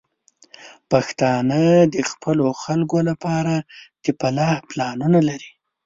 پښتانه د خپلو خلکو لپاره د فلاح پلانونه لري.